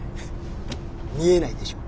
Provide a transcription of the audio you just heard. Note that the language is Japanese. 見えないでしょ？